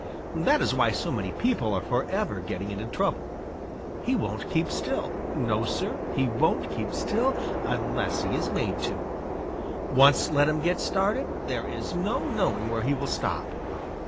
That is why so many people are forever getting into trouble. He won't keep still. No, Sir, he won't keep still unless he is made to. Once let him get started there is no knowing where he will stop.